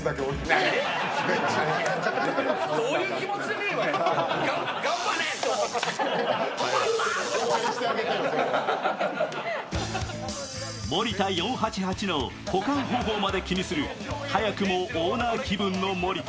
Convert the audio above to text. すると森田が森田４８８の保管方法まで気にする早くもオーナー気分の森田。